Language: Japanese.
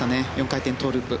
４回転トウループ。